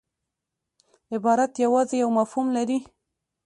عبارت یوازي یو مفهوم لري.